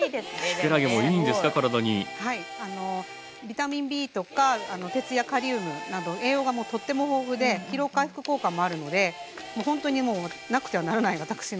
ビタミンＢとか鉄やカリウムなど栄養がもうとっても豊富で疲労回復効果もあるのでほんとにもうへえ。